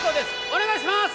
お願いします！